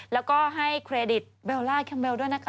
แล้วก็ให้เครดิตเบลล่าแคมเบลด้วยนะคะ